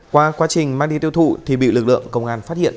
qua quá trình mang đi tiêu thụ thì bị lực lượng công an phát hiện